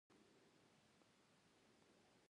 مېلمه ته له شخړې نه مخ واړوه.